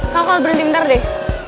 kau kalau berhenti bentar deh